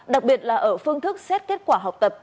đặc biệt là ở phương thức xét kết quả học tập